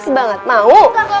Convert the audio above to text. enggak enggak mau